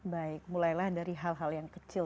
baik mulailah dari hal hal yang kecil